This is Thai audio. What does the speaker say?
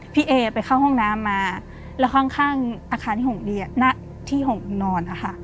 พี่เอไปเข้าห้องน้ำมาแล้วข้างอาคารที่หงดีที่หงนอนนะคะ